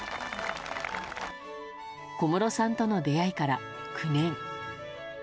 小室さんとの出会いから９年。